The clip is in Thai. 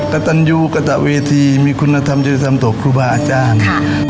๒กระตันยูกระตะเวทีมีคุณธรรมจริงธรรมตกครูบาอาจารย์